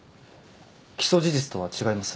起訴事実とは違います。